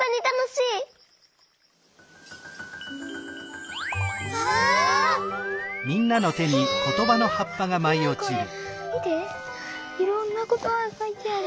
いろんなことばがかいてあるよ。